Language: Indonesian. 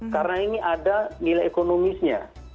karena ini ada nilai ekonomisnya